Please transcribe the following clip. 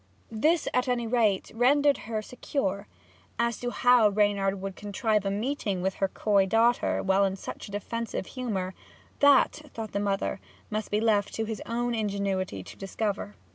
This, at any rate, rendered her secure. As to how Reynard would contrive a meeting with her coy daughter while in such a defensive humour, that, thought her mother, must be left to his own ingenuity to discover.